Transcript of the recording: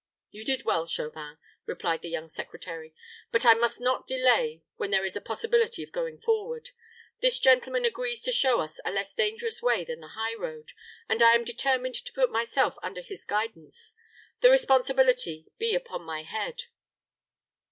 "You did well, Chauvin," replied the young secretary. "But I must not delay when there is a possibility of going forward. This gentleman agrees to show us a less dangerous way than the high road, and I am determined to put myself under his guidance. The responsibility be upon my head."